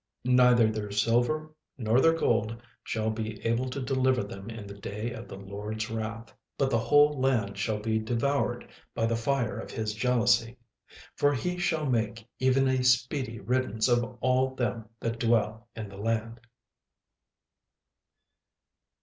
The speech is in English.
36:001:018 Neither their silver nor their gold shall be able to deliver them in the day of the LORD's wrath; but the whole land shall be devoured by the fire of his jealousy: for he shall make even a speedy riddance of all them that dwell in the land.